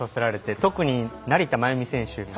特に成田真由美選手。